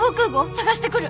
捜してくる。